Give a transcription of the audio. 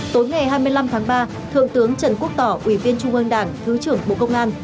tối ngày hai mươi năm tháng ba thượng tướng trần quốc tỏ ủy viên trung ương đảng thứ trưởng bộ công an